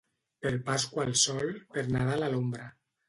Per Pasqua al sol, per Nadal a l'ombra.